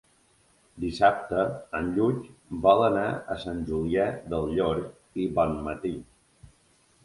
Dissabte en Lluc vol anar a Sant Julià del Llor i Bonmatí.